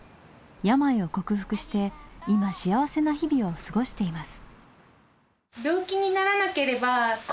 病を克服して今幸せな日々を過ごしています。